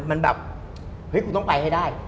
มันแบบเฮ้ยกูต้องไปให้ได้